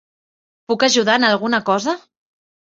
Puc ajudar en alguna cosa?